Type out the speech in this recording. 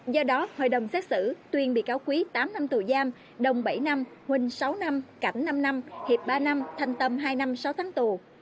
do đó hội đồng xét xử tuyên bị cáo quý tám năm tù giam đồng bảy năm huỳnh sáu năm cảnh năm năm hiệp ba năm thanh tâm hai năm sáu tháng tù